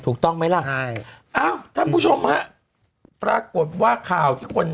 ถูกต้องไหมล่ะใช่อ้าวท่านผู้ชมฮะปรากฏว่าข่าวที่คน